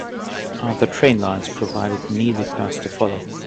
The train lines provided an easy path to follow.